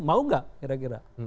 mau nggak kira kira